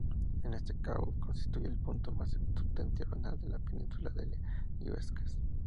Este cabo constituye el punto más septentrional de la península de Illescas.